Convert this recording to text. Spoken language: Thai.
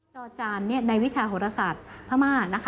จจานในวิชาโภตศาสตร์พม่า